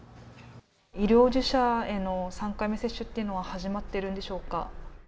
医療従事者への３回目の接種っていうのは始まってるんでしょうか。